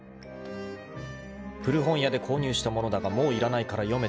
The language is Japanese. ［古本屋で購入したものだがもういらないから読めという］